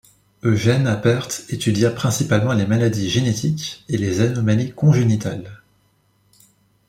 Eugène Apert étudia principalement les maladies génétiques et les anomalies congénitales.